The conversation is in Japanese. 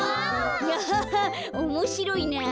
アハハおもしろいなぁ。